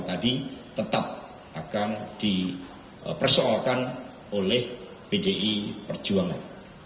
tadi tetap akan dipersoalkan oleh pdi perjuangan